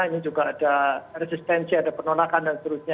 ini juga ada resistensi ada penolakan dan seterusnya